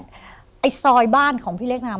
ไอ้ซอยบ้านของพี่เล็กนาม